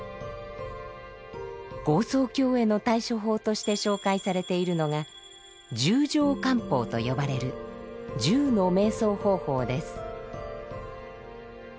業相境への対処法として紹介されているのが「十乗観法」と呼ばれる十の瞑想方法です。